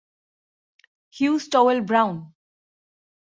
Hugh Stowell Brown.